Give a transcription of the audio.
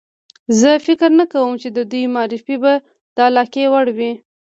زه فکر نه کوم چې د دوی معرفي به د علاقې وړ وي.